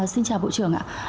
xin chào bộ trưởng ạ